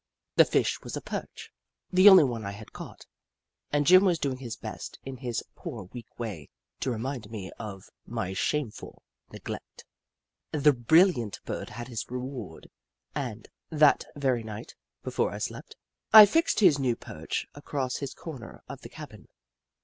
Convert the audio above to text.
The Fish was a Perch — the only one I had caught — and Jim was doing his best, in his poor weak way, to remind me of my shameful neglect. The brilliant Bird had his reward, and, that very night, before I slept, I fixed his new perch across his old corner of the cabin.